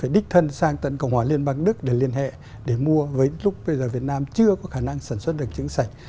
đích thân sang tận cộng hòa liên bang đức để liên hệ để mua với lúc bây giờ việt nam chưa có khả năng sản xuất được chứng sạch